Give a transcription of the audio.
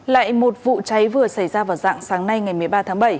lại một vụ cháy vừa xảy ra vào dạng sáng nay ngày một mươi ba tháng bảy